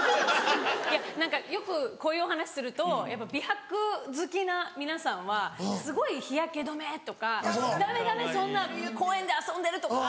・何かよくこういうお話しするとやっぱ美白好きな皆さんはすごい日焼け止めとか「ダメダメそんな公園で遊んでるとか」